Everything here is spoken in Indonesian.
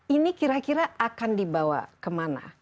ini kira kira akan dibawa kemana